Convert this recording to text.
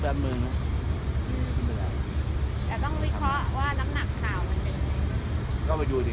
แต่ต้องวิเคราะห์ว่าน้ำหนักข่าวมันเป็นยังไง